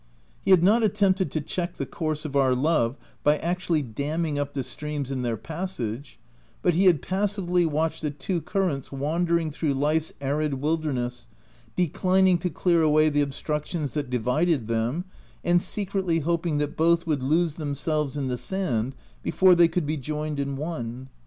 He had not attempted to check the course of our love by actually damming up the streams in their pas sage, but he had passively watched the two currents wandering through life's arid wilder ness, declining to clear away the obstructions that divided them, and secretly hoping that both would lose themselves in the sand before they could be joined in one.